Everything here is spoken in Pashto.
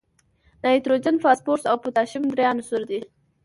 نایتروجن، فاسفورس او پوتاشیم درې عنصره دي.